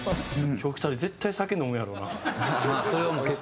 今日２人絶対酒飲むやろうな。